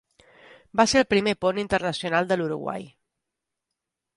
Va ser el primer pont internacional de l'Uruguai.